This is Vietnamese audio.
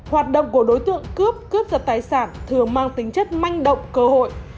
hoạt động của đối tượng cướp cướp giật tài sản thường mang tính chất manh động cơ hội